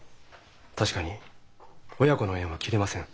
確かに親子の縁は切れません。